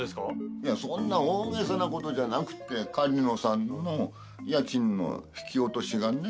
いやそんな大げさな事じゃなくて狩野さんの家賃の引き落としがね